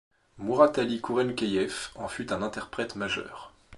Muratali Kurenkeyev en fut un interprète majeur.